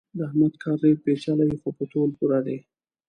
د احمد کار ډېر پېچلی خو په تول پوره دی.